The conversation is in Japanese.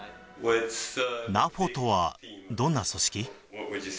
ナフォとはどんな組織？